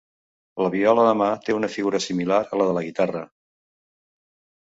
La viola de mà té una figura similar a la de la guitarra.